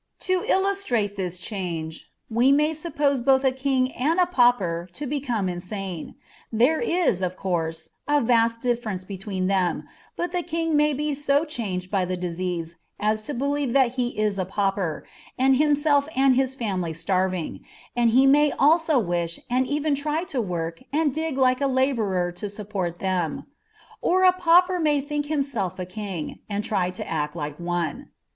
To illustrate this change, we may suppose both a king and a pauper to become insane: there is, of course, a vast difference between them, but the king may be so changed by the disease as to believe that he is a pauper, and himself and his family starving, and he may also wish and even try to work and dig like a laborer to support them; or a pauper may think himself a king, and try to act like one.